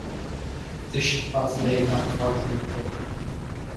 The ship was laid up for the winter.